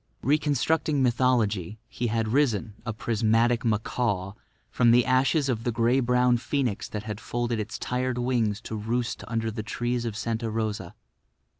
Reconstructing mythology, he had risen, a prismatic macaw, from the ashes of the grey brown phoenix that had folded its tired wings to roost under the trees of Santa Rosa.